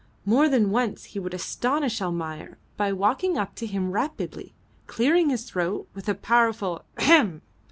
More than once he would astonish Almayer by walking up to him rapidly, clearing his throat with a powerful "Hem!"